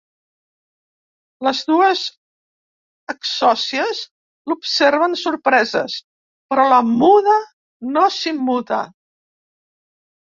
Les dues exsòcies l'observen sorpreses, però la muda no s'immuta.